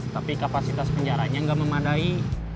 tapi kapasitas penjaranya nggak memadai